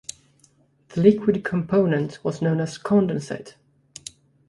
The liquid component was known as "condensate".